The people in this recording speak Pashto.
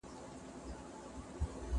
ولي محرمیت ته درناوی کیږي؟